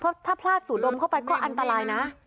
ถ้าพลาดสูดมเข้าไปก็อันตรายนะ